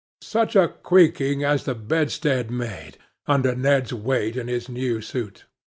Such a creaking as the bedstead made, under Ned's weight in his new suit!